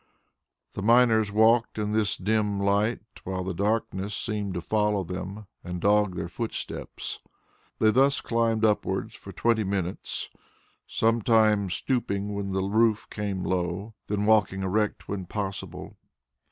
The miners walked in this dim light while the darkness seemed to follow them and dog their footsteps. They thus climbed upwards for twenty minutes, sometimes stooping when the roof came low, then walking erect when possible.